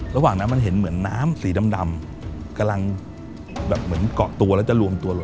ระหว่างนั้นมันเห็นเหมือนน้ำสีดำกำลังแบบเหมือนเกาะตัวแล้วจะรวมตัวหล